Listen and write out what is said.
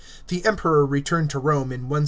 The Emperor returned to Rome in 169 A.